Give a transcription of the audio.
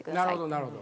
なるほど。